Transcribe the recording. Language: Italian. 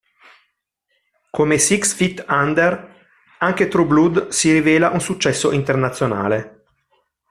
Come "Six Feet Under" anche "True Blood" si rivela un successo internazionale.